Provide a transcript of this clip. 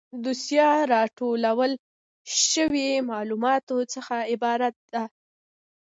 دوسیه له راټول شویو معلوماتو څخه عبارت ده.